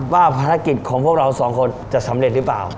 ว่าภารกิจของพวกเราสองคนจะสำเร็จหรือเปล่า